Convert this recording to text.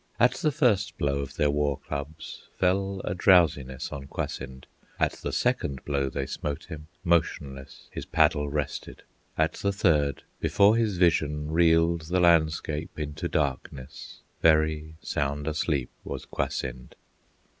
At the first blow of their war clubs, Fell a drowsiness on Kwasind; At the second blow they smote him, Motionless his paddle rested; At the third, before his vision Reeled the landscape Into darkness, Very sound asleep was Kwasind.